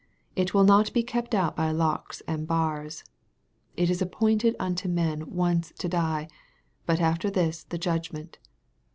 It will not be kept out by locks and bars. " It is appointed unto men once to die, but after this the judgment."